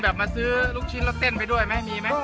แบบมาซื้อลูกชิ้นแล้วเต้นไปด้วยมั้ยมีมั้ย